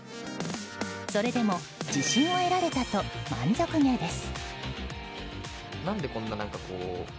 それでも、自信を得られたと満足げです。